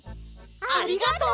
ありがとう！